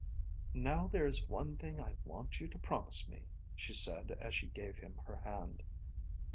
"Now there is one thing I want you to promise me," she said as she gave him her hand.